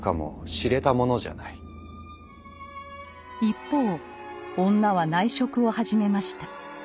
一方女は内職を始めました。